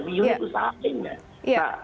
di unit usaha lainnya